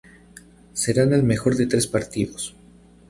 Serán al mejor de tres partidos.